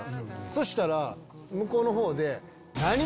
そしたら向こうの方で。